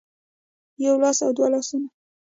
يو لاس او دوه لاسونه